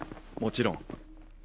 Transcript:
もちろん。